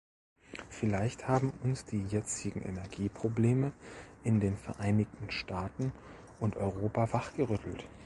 Vielleicht haben uns die jetzigen Energieprobleme in den Vereinigten Staaten und Europa wachgerüttelt.